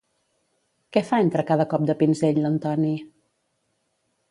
Què fa entre cada cop de pinzell l'Antoni?